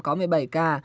có một mươi bảy ca